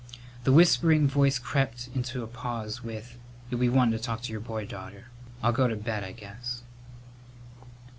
The whispering voice crept into a pause with, "You'll be wantin' to talk to your boy, daughter. I'll go to bed, I guess."